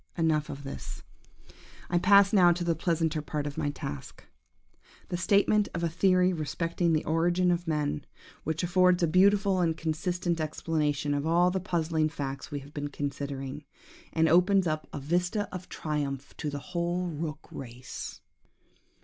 "Enough of this. I pass now to the pleasanter part of my task! The statement of a theory respecting the origin of men, which affords a beautiful and consistent explanation of all the puzzling facts we have been considering, and opens up a vista of triumph to the whole rook race!"